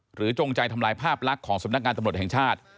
จงใจทำลายภาพลักษณ์ของสำนักงานตำรวจแห่งชาติ